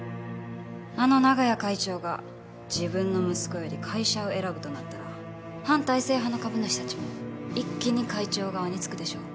あの長屋会長が自分の息子より会社を選ぶとなったら反体制派の株主たちも一気に会長側につくでしょう。